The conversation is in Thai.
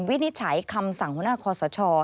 วินิจฉัยคำสั่งหัวหน้าคอสช